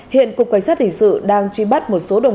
hiện cục cảnh sát hình sự đang truy bắt một số đồng